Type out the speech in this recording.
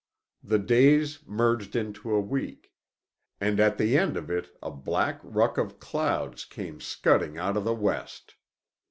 The days merged into a week. At the end of it a black ruck of clouds came scudding out of the west.